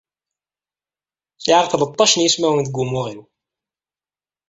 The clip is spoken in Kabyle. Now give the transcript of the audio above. Sεiɣ tleṭṭac n yismawen deg umuɣ-iw.